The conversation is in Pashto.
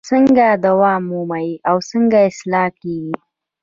څنګه دوام ومومي او څنګه اصلاح کیږي؟